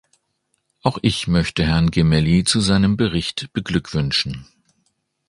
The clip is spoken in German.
Auch ich möchte Herrn Gemelli zu seinem Bericht beglückwünschen.